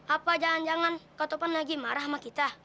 apa jangan jangan kak topan lagi marah sama kita